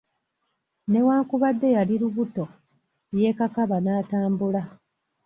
Newankubadde yali lubuto, yeekakaba n'atambula.